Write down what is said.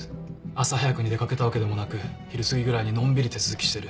朝早くに出掛けたわけでもなく昼すぎぐらいにのんびり手続きしてる。